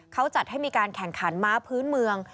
เขาจัดให้มีการแข่งขันม้าพื้นเมือง